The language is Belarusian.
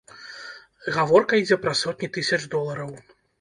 Гаворка ідзе пра сотні тысяч долараў.